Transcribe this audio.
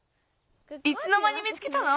いつのまに見つけたの？